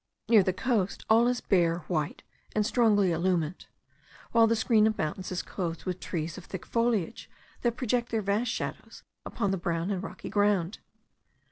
Near the coast all is bare, white, and strongly illumined, while the screen of mountains is clothed with trees of thick foliage that project their vast shadows upon the brown and rocky ground.